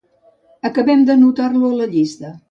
Acabem d'anotar-lo a la llista.